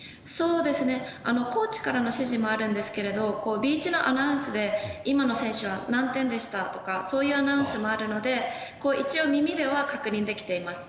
コーチからの指示もあるんですけどビーチのアナウンスで今の選手は何点でしたとかそういうアナウンスもあるので一応、耳では確認できています。